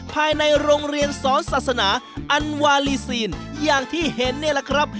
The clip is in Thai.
ภายในโรงเรียนสอนศาสนาอันวาลีซีนอย่างที่เห็นนี่แหละครับ